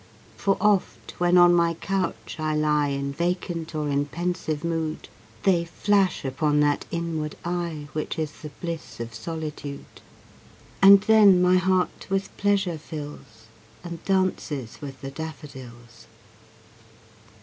For oft, when on my couch I lie In vacant or in pensive mood, They flash upon that inward eye Which is the bliss of solitude; And then my heart with pleasure fills, And dances with the daffodils.